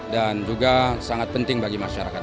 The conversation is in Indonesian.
dan juga sangat penting bagi masyarakat